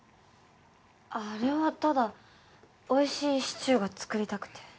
あれはただおいしいシチューが作りたくて。